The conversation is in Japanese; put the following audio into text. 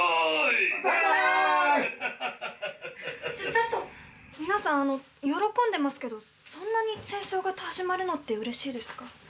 ちょっと皆さん喜んでますけどそんなに戦争が始まるのってうれしいですか？